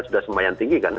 sudah semuanya tinggi kan